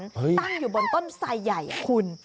ตั้งอยู่บนต้นไสใหญ่คุณ